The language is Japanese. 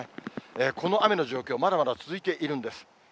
この雨の状況、まだまだ続いているんです。